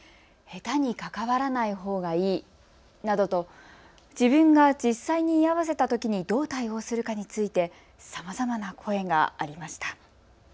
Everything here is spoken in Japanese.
へたに関わらないほうがいいなどと自分が実際に居合わせたときにどう対応するかについてさまざまな声がありました。